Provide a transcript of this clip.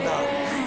はい。